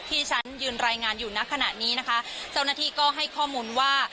ที่ฉันยืนรายงานอยู่ณขณะนี้นะคะเจ้าหน้าที่ก็ให้ข้อมูลว่า